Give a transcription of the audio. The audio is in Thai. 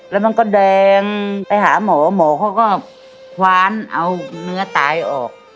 แล้วมันก็แดงไปหาหมอหมอเขาก็คว้านเอาเนื้อตายออก